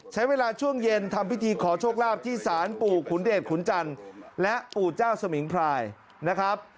ใช้เวลาช่วงเย็นทำพิธีขอโชคลาภที่สารปู่ขุนเดชขุนจันทร์และปู่เจ้าสมิงพรายนะครับ